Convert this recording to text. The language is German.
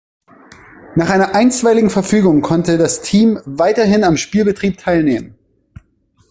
Nach einer einstweiligen Verfügung konnte das Team weiterhin am Spielbetrieb teilnehmen.